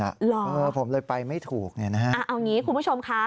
หรอเออผมเลยไปไม่ถูกนะฮะเอาอย่างนี้คุณผู้ชมคะ